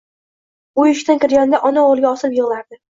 U eshikdan kirganda ona o‘g‘liga osilib yig‘lardi.